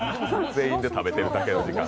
全員で食べてるだけの時間。